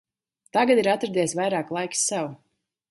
Tagad ir atradies vairāk laiks sev.